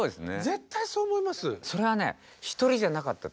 絶対そう思います。